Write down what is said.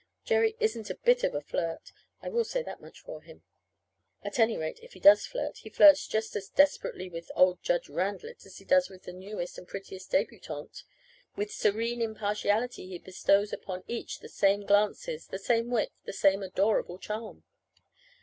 Jerry isn't a bit of a flirt. I will say that much for him. At any rate, if he does flirt, he flirts just as desperately with old Judge Randlett as he does with the newest and prettiest debutante: with serene impartiality he bestows upon each the same glances, the same wit, the same adorable charm.)